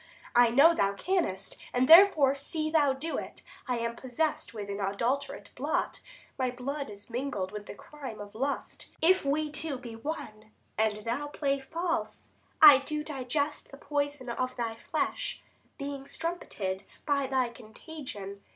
I know thou canst; and therefore see thou do it. I am possess'd with an adulterate blot; My blood is mingled with the crime of lust: 140 For if we two be one, and thou play false, I do digest the poison of thy flesh, Being strumpeted by thy contagion.